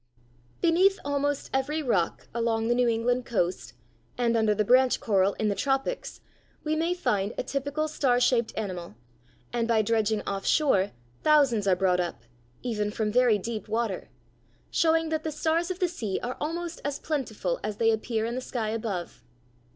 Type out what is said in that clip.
] Beneath almost every rock along the New England coast, and under the branch coral in the tropics, we may find a typical star shaped animal, and by dredging offshore, thousands are brought up, even from very deep water, showing that the stars of the sea are almost as plentiful as they appear in the sky above.